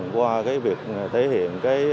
qua việc thể hiện